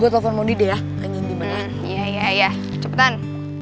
gue telepon mau dia ya iya iya cepetan